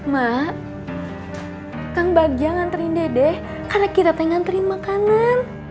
mak kang bagjate nganterin dede anak kita pengen nganterin makanan